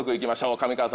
上川さん